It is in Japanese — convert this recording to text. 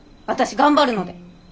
私頑張るので！